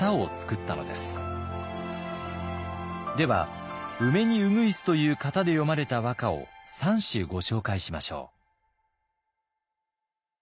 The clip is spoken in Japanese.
では「梅に鶯」という型で詠まれた和歌を３首ご紹介しましょう。